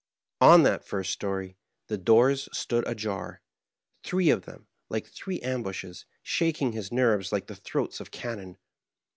On that first story, the doors stood ajar, three of them like three ambushes, shaking his nerves like the throats of cannon.